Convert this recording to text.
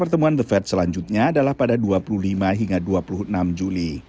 pertemuan the fed selanjutnya adalah pada dua puluh lima hingga dua puluh enam juli